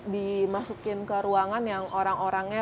dimasukin ke ruangan yang orang orangnya